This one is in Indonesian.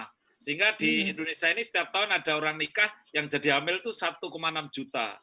sehingga di indonesia ini setiap tahun ada orang nikah yang jadi hamil itu satu enam juta